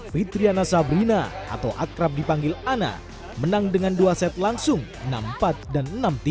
fitriana sabrina atau akrab dipanggil ana menang dengan dua set langsung enam empat dan enam tiga